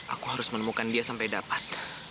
aku harus menemukan dia sampai dapat